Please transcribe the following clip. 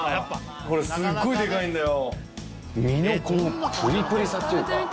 これすっごいデカいんだよ。